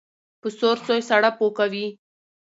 ـ په سور سوى، ساړه پو کوي.